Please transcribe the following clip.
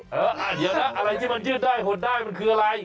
เดี๋ยวนะอะไรที่มันยืดได้หดได้มันคืออะไร